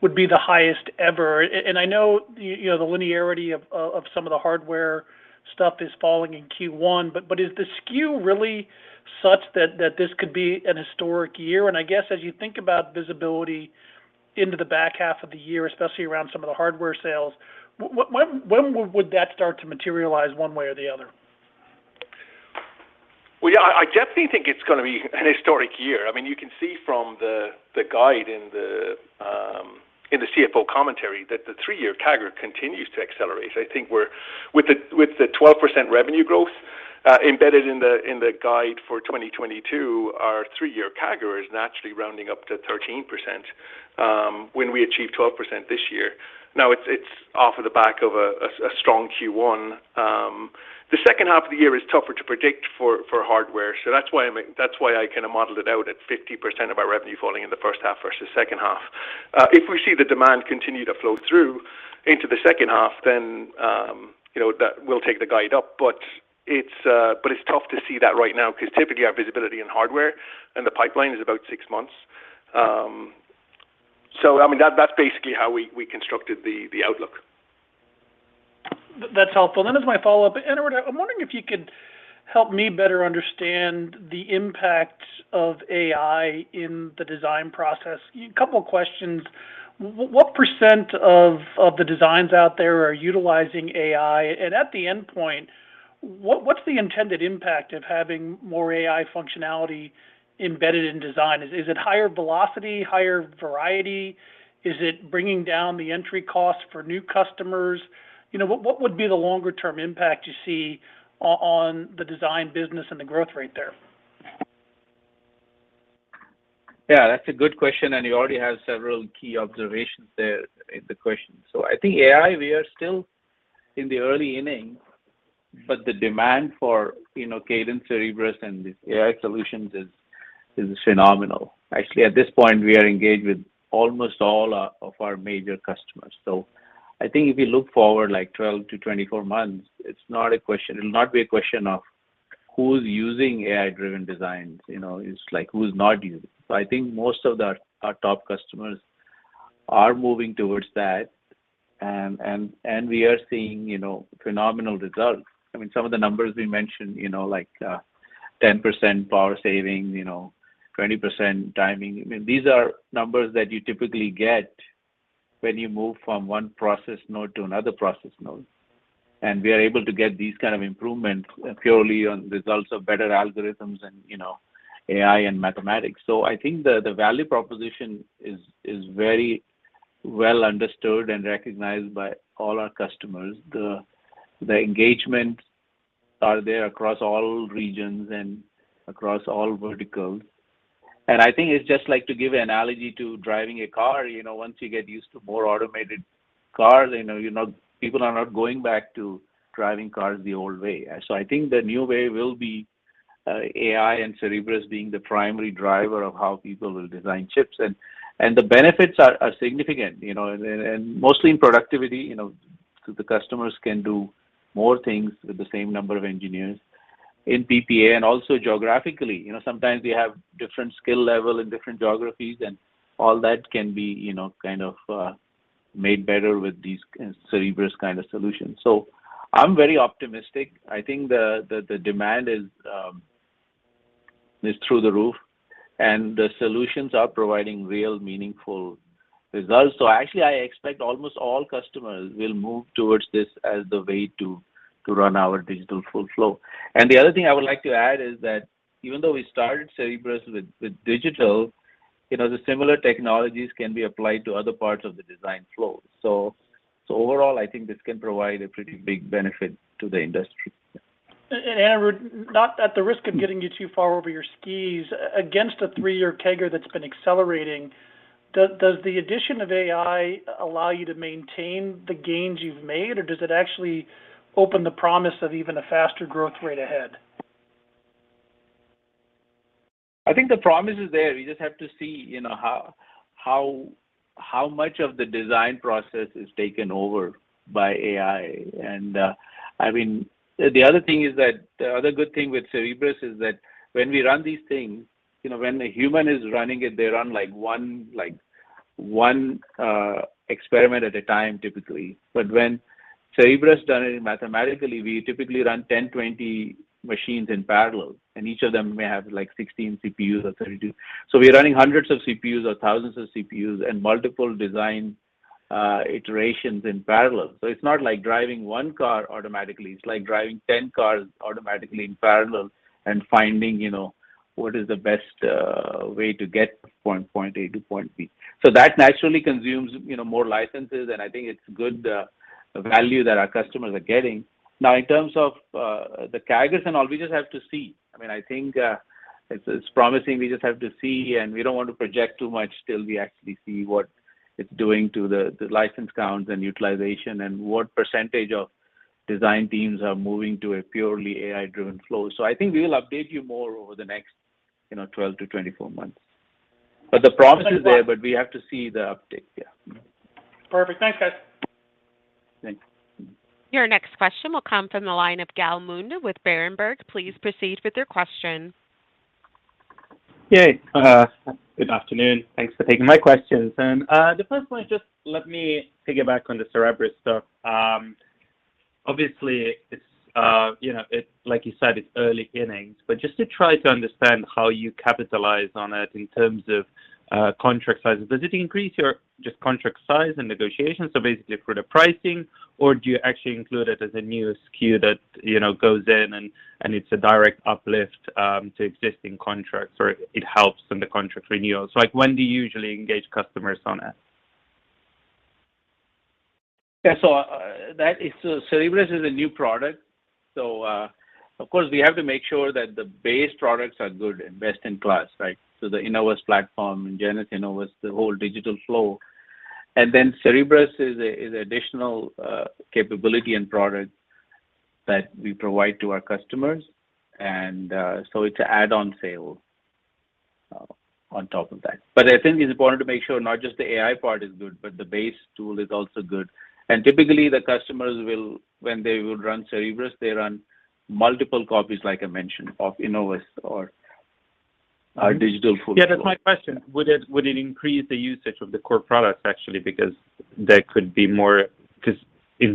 would be the highest ever. And I know you know, the linearity of some of the hardware stuff is falling in Q1, but is the skew really such that this could be an historic year? And I guess as you think about visibility into the back half of the year, especially around some of the hardware sales, when would that start to materialize one way or the other? Well, yeah, I definitely think it's gonna be an historic year. I mean, you can see from the guide in the CFO commentary that the three-year CAGR continues to accelerate. I think with the 12% revenue growth embedded in the guide for 2022, our three-year CAGR is naturally rounding up to 13%, when we achieve 12% this year. Now it's off of the back of a strong Q1. The second half of the year is tougher to predict for hardware, so that's why I kinda modeled it out at 50% of our revenue falling in the first half versus second half. If we see the demand continue to flow through into the second half, then, you know, that we'll take the guide up. It's tough to see that right now because typically our visibility in hardware and the pipeline is about six months. I mean, that's basically how we constructed the outlook. That's helpful. As my follow-up, Anirudh, I'm wondering if you could help me better understand the impact of AI in the design process. A couple questions. What % of the designs out there are utilizing AI? And at the endpoint, what's the intended impact of having more AI functionality embedded in design? Is it higher velocity, higher variety? Is it bringing down the entry cost for new customers? You know, what would be the longer term impact you see on the design business and the growth rate there? Yeah, that's a good question, and you already have several key observations there in the question. I think AI, we are still in the early innings, but the demand for, you know, Cadence Cerebrus and these AI solutions is phenomenal. Actually, at this point, we are engaged with almost all of our major customers. I think if you look forward like 12-24 months, it's not a question. It'll not be a question of who's using AI-driven designs. You know, it's like, who's not using? I think most of our top customers are moving towards that, and we are seeing, you know, phenomenal results. I mean, some of the numbers we mentioned, you know, like, 10% power saving, you know, 20% timing. I mean, these are numbers that you typically get when you move from one process node to another process node. We are able to get these kind of improvements purely on results of better algorithms and, you know, AI and mathematics. I think the value proposition is very well understood and recognized by all our customers. The engagement are there across all regions and across all verticals. I think it's just like to give analogy to driving a car, you know, once you get used to more automated cars, you know, people are not going back to driving cars the old way. I think the new way will be AI and Cerebrus being the primary driver of how people will design chips. The benefits are significant, you know. Mostly in productivity, you know, so the customers can do more things with the same number of engineers in PPA and also geographically. You know, sometimes they have different skill level in different geographies, and all that can be, you know, kind of, made better with these Cerebrus kind of solutions. I'm very optimistic. I think the demand is through the roof, and the solutions are providing real meaningful results. Actually, I expect almost all customers will move towards this as the way to run our digital full flow. The other thing I would like to add is that even though we started Cerebrus with digital, you know, the similar technologies can be applied to other parts of the design flow. Overall, I think this can provide a pretty big benefit to the industry. Anirudh, not at the risk of getting you too far over your skis, against a three-year CAGR that's been accelerating, does the addition of AI allow you to maintain the gains you've made, or does it actually open the promise of even a faster growth rate ahead? I think the promise is there. We just have to see, you know, how much of the design process is taken over by AI. I mean, the other thing is that the other good thing with Cerebrus is that when we run these things, you know, when a human is running it, they run like one experiment at a time, typically. But when Cerebrus done it mathematically, we typically run 10, 20 machines in parallel, and each of them may have, like 16 CPUs or 32. So we're running hundreds of CPUs or thousands of CPUs and multiple design iterations in parallel. So it's not like driving one car automatically. It's like driving 10 cars automatically in parallel and finding, you know, what is the best way to get from point A to point B. That naturally consumes, you know, more licenses, and I think it's good value that our customers are getting. Now, in terms of the CAGRs and all, we just have to see. I mean, I think it's promising. We just have to see, and we don't want to project too much till we actually see what it's doing to the license counts and utilization and what percentage of design teams are moving to a purely AI-driven flow. I think we'll update you more over the next, you know, 12-24 months. The promise is there, but we have to see the uptake. Yeah. Perfect. Thanks, guys. Thanks. Your next question will come from the line of Gal Munda with Berenberg. Please proceed with your question. Good afternoon. Thanks for taking my questions. The first one, just let me piggyback on the Cerebrus stuff. Obviously, it's you know, it's like you said, it's early innings, but just to try to understand how you capitalize on it in terms of contract sizes. Does it increase your just contract size and negotiations, so basically for the pricing, or do you actually include it as a new SKU that you know, goes in and it's a direct uplift to existing contracts, or it helps in the contract renewals? Like, when do you usually engage customers on it? Cerebrus is a new product. Of course, we have to make sure that the base products are good and best in class, right? The Innovus platform and Genus Innovus, the whole digital flow. Cerebrus is an additional capability and product that we provide to our customers. It's add-on sale on top of that. I think it's important to make sure not just the AI part is good, but the base tool is also good. Typically, the customers, when they run Cerebrus, run multiple copies, like I mentioned, of Innovus or our digital full- Yeah, that's my question. Would it increase the usage of the core products, actually? Because in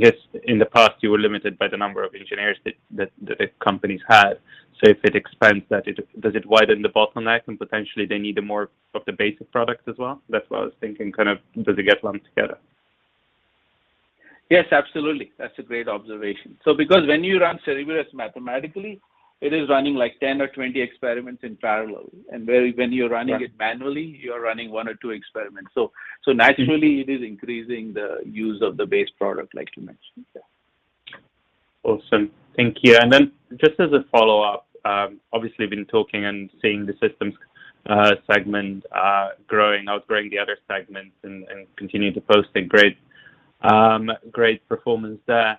the past, you were limited by the number of engineers that companies had. If it expands that, does it widen the bottleneck and potentially they need more of the basic products as well? That's what I was thinking, kind of, does it get lumped together? Yes, absolutely. That's a great observation. Because when you run Cerebrus mathematically, it is running like 10 or 20 experiments in parallel. Where when you're running it manually, you're running one or two experiments. Naturally it is increasing the use of the base product, like you mentioned. Yeah. Awesome. Thank you. Just as a follow-up, we've obviously been talking and seeing the systems segment growing, outgrowing the other segments and continuing to post a great performance there.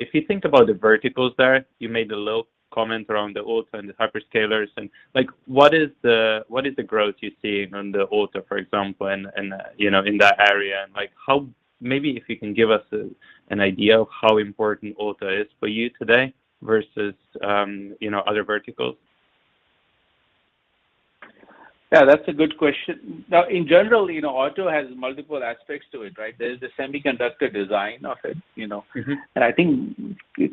If you think about the verticals there, you made a little comment around the auto and the hyperscalers and, like, what is the growth you're seeing from the auto, for example, and you know, in that area? Like, how maybe if you can give us an idea of how important auto is for you today versus other verticals. Yeah, that's a good question. Now, in general, you know, auto has multiple aspects to it, right? There's the semiconductor design of it, you know. I think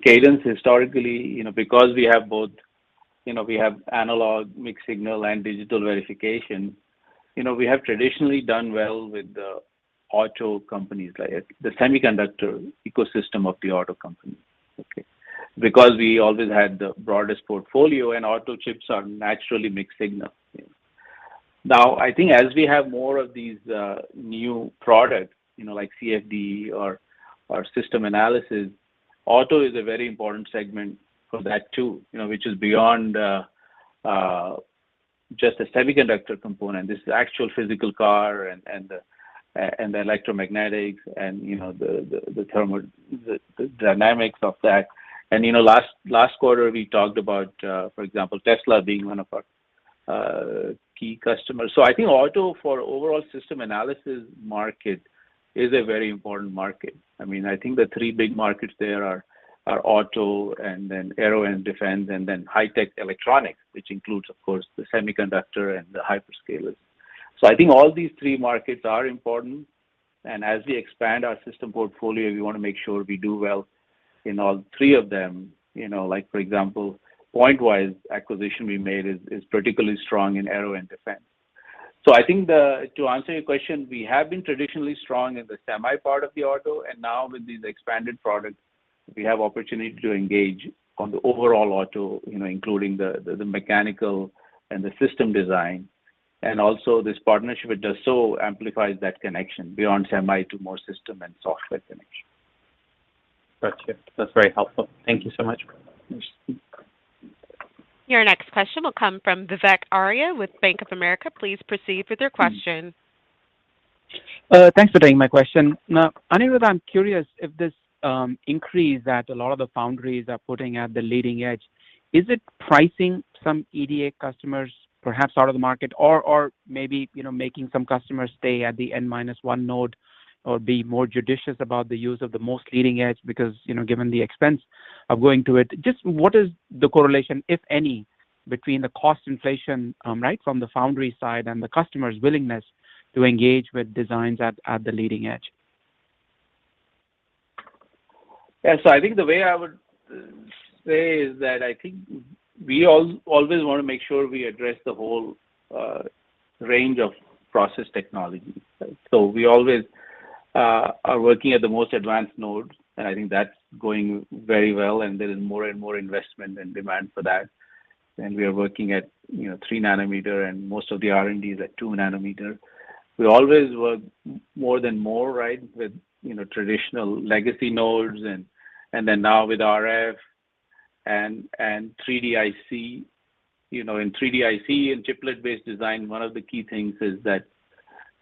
Cadence historically, you know, because we have both we have analog, mixed signal, and digital verification, you know, we have traditionally done well with the auto companies, like the semiconductor ecosystem of the auto companies. Because we always had the broadest portfolio, and auto chips are naturally mixed signal. Now, I think as we have more of these new products, you know, like CFD or system analysis, auto is a very important segment for that too, you know, which is beyond just the semiconductor component. This is actual physical car and the electromagnetics and, you know, the thermal, the dynamics of that. You know, last quarter, we talked about, for example, Tesla being one of our key customers. I think auto for overall system analysis market is a very important market. I mean, I think the three big markets there are auto and then aero and defense and then high-tech electronics, which includes, of course, the semiconductor and the hyperscalers. I think all these three markets are important. As we expand our system portfolio, we wanna make sure we do well in all three of them. You know, like for example, Pointwise acquisition we made is particularly strong in aero and defense. I think to answer your question, we have been traditionally strong in the semi part of the auto, and now with these expanded products, we have opportunity to engage on the overall auto, you know, including the mechanical and the system design. This partnership with Dassault amplifies that connection beyond semi to more system and software connection. Got you. That's very helpful. Thank you so much. Your next question will come from Vivek Arya with Bank of America. Please proceed with your question. Thanks for taking my question. Now, Anirudh, I'm curious if this increase that a lot of the foundries are putting at the leading edge is pricing some EDA customers perhaps out of the market or maybe, you know, making some customers stay at the N-minus-one node or be more judicious about the use of the most leading edge because, you know, given the expense of going to it? Just what is the correlation, if any, between the cost inflation right from the foundry side and the customer's willingness to engage with designs at the leading edge? Yeah. I think the way I would say is that I think we always wanna make sure we address the whole range of process technologies, right? We always are working at the most advanced nodes, and I think that's going very well, and there is more and more investment and demand for that. We are working at, you know, 3nm, and most of the R&D is at 2nm. We always work more and more, right, with, you know, traditional legacy nodes and then now with RF and 3D-IC. You know, in 3D-IC, in chiplet-based design, one of the key things is that,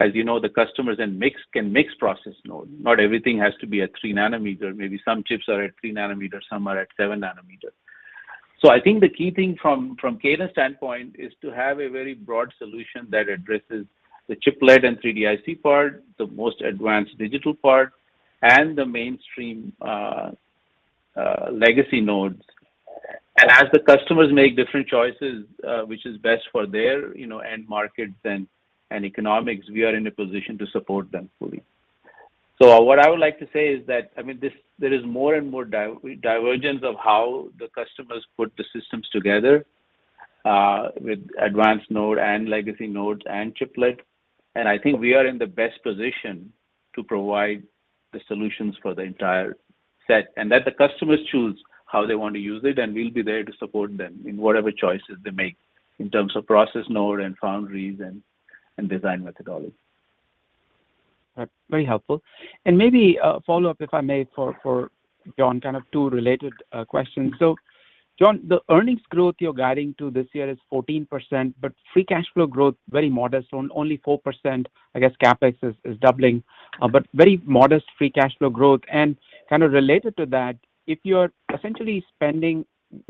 as you know, the customers then can mix process node. Not everything has to be at 3nm. Maybe some chips are at 3nm, some are at 7nm. I think the key thing from Cadence standpoint is to have a very broad solution that addresses the chiplet and 3D-IC part, the most advanced digital part, and the mainstream, legacy nodes. As the customers make different choices, which is best for their, you know, end markets and economics, we are in a position to support them fully. What I would like to say is that there is more and more divergence of how the customers put the systems together, with advanced node and legacy nodes and chiplet, and I think we are in the best position to provide the solutions for the entire set, and let the customers choose how they want to use it, and we'll be there to support them in whatever choices they make in terms of process node and foundries and design methodology. Right. Very helpful. Maybe a follow-up, if I may, for John, kind of two related questions. John, the earnings growth you're guiding to this year is 14%, but free cash flow growth, very modest, on only 4%. I guess CapEx is doubling, but very modest free cash flow growth. Kind of related to that, if you're essentially spending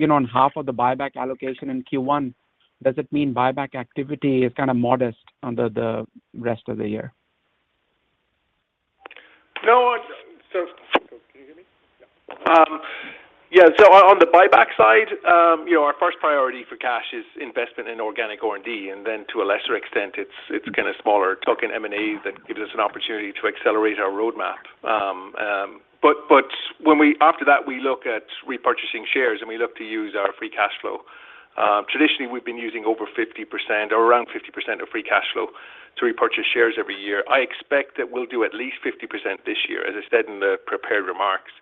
on half of the buyback allocation in Q1, does it mean buyback activity is kind of modest on the rest of the year? No. Can you hear me? Yeah. Yeah, on the buyback side, you know, our first priority for cash is investment in organic R&D, and then to a lesser extent, it's kinda smaller token M&As that gives us an opportunity to accelerate our roadmap. After that, we look at repurchasing shares, and we look to use our free cash flow. Traditionally, we've been using over 50% or around 50% of free cash flow to repurchase shares every year. I expect that we'll do at least 50% this year. As I said in the prepared remarks,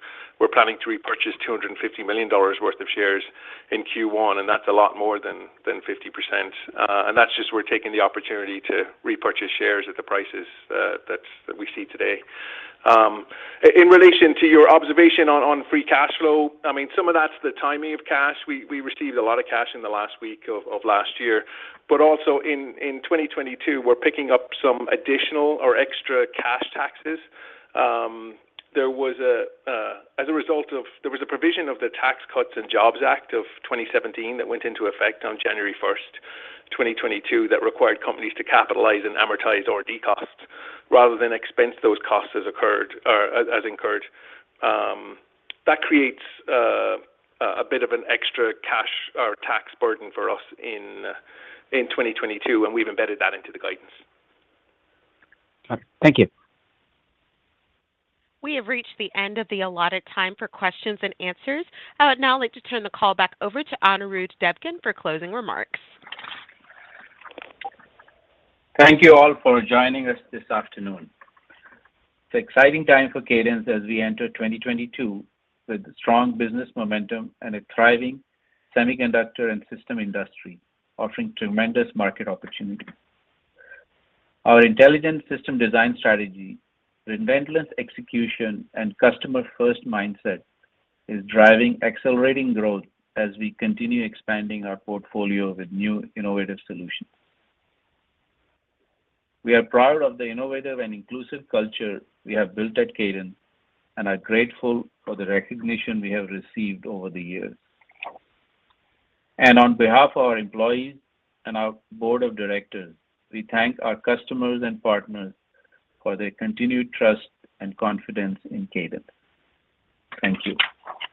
we're planning to repurchase $250 million worth of shares in Q1, and that's a lot more than 50%. That's just we're taking the opportunity to repurchase shares at the prices that we see today. In relation to your observation on free cash flow, I mean, some of that's the timing of cash. We received a lot of cash in the last week of last year. But also in 2022, we're picking up some additional or extra cash taxes. There was a provision of the Tax Cuts and Jobs Act of 2017 that went into effect on January 1st, 2022, that required companies to capitalize and amortize R&D costs rather than expense those costs as occurred or as incurred. That creates a bit of an extra cash or tax burden for us in 2022, and we've embedded that into the guidance. All right. Thank you. We have reached the end of the allotted time for questions and answers. I would now like to turn the call back over to Anirudh Devgan for closing remarks. Thank you all for joining us this afternoon. It's an exciting time for Cadence as we enter 2022 with strong business momentum and a thriving semiconductor and system industry offering tremendous market opportunity. Our intelligent system design strategy with relentless execution and customer-first mindset is driving accelerating growth as we continue expanding our portfolio with new innovative solutions. We are proud of the innovative and inclusive culture we have built at Cadence and are grateful for the recognition we have received over the years. On behalf of our employees and our board of directors, we thank our customers and partners for their continued trust and confidence in Cadence. Thank you.